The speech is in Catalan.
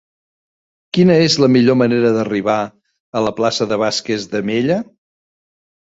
Quina és la millor manera d'arribar a la plaça de Vázquez de Mella?